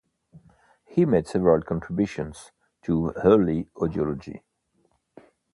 He made several contributions to early audiology.